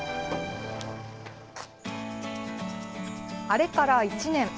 あれから１年。